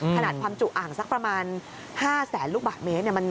ขนาดความจุอ่างสักประมาณ๕แสนลูกบาทเมตร